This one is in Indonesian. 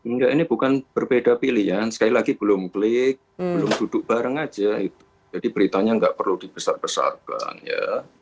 enggak ini bukan berbeda pilihan sekali lagi belum klik belum duduk bareng aja jadi beritanya nggak perlu dibesar besarkan ya